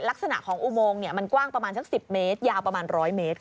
ลักษณะของอุโมงมันกว้างประมาณสัก๑๐เมตรยาวประมาณ๑๐๐เมตร